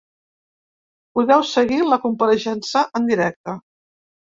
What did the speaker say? Podeu seguir la compareixença en directe.